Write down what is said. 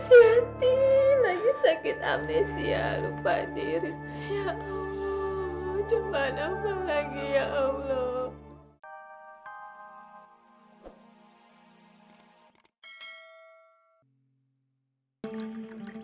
ganti lagi sakit amnesia lupa diri ya allah cobaan apalagi ya allah